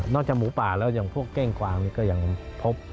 จากหมูป่าแล้วอย่างพวกเก้งกวางนี่ก็ยังพบ